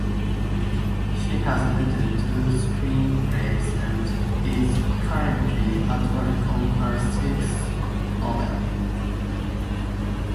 She has written two screenplays and is currently at work on her sixth novel.